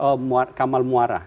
kemudian ke kamal muara